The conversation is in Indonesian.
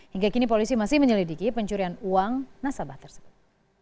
hingga kini polisi masih menyelidiki pencurian uang nasabah tersebut